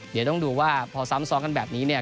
เดี๋ยวต้องดูว่าพอซ้ำซ้อนกันแบบนี้เนี่ย